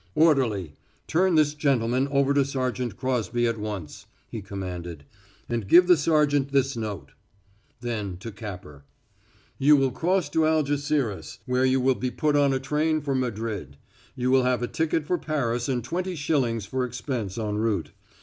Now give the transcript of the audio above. "Orderly, turn this gentleman over to Sergeant Crosby at once," he commanded, "and give the sergeant this note." Then to Capper: "You will cross to Algeciras, where you will be put on a train for Madrid. You will have a ticket for Paris and twenty shillings for expense en route.